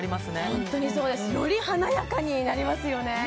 ホントにそうですより華やかになりますよね